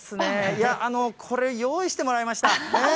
いや、これ用意してもらいました。